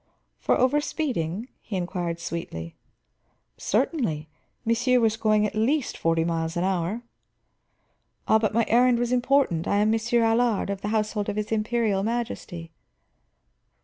"For over speeding?" he inquired sweetly. "Certainly; monsieur was going at least forty miles an hour." "Ah, but my errand was important. I am Monsieur Allard, of the household of his Imperial Majesty."